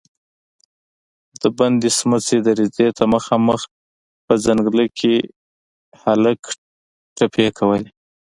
د بندې سمڅې دريڅې ته مخامخ په ځنګله کې هلک ټپې کولې.